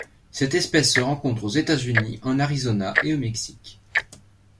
Cette espèce se rencontre aux États-Unis en Arizona et au Mexique.